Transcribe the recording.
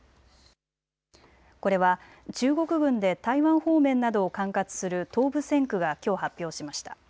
これは中国軍で台湾方面などを管轄する東部戦区がきょう発表しました。